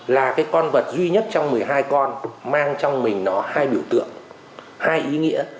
là cái con vật duy nhất trong một mươi hai con mang trong mình nó hai biểu tượng hai ý nghĩa